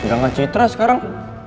gak gak citra sekarang